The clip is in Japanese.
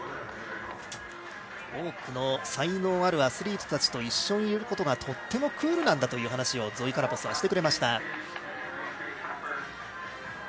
多くの才能あるアスリートたちと一緒にいることがとってもクールなんだという話をゾイ・カラポスはしてくれました。